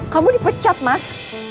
kamu dipecat mas